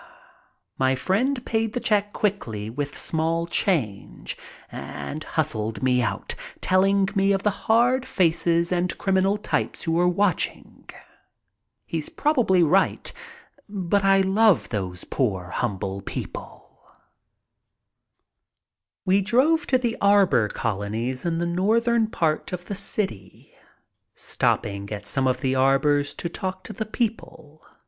My friend paid the check quickly with small change and hustled me out, telling me of the hard faces and criminal types who were watching. He's probably right, but I love those poor, humble people. MY VISIT TO GERMANY 119 We drove to the arbor colonies in the northern part of the city, stopping at some of the arbors to talk to the people.